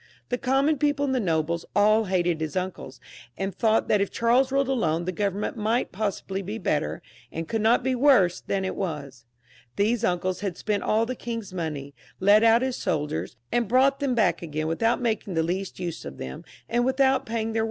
The common people and the nobles aU. hated his uncles, and thought that if Charles ruled alone the government might possibly be better, and could not be worse than it now was. These uncles had spent all the king's money, led out his soldiers, and brought them back again without making the least use of them, and without paying their 188 CHARLES VI. [CH.